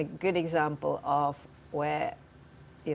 ini adalah contoh yang bagus